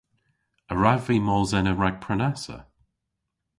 A wrav vy mos ena rag prenassa?